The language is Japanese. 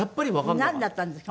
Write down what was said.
なんだったんですか？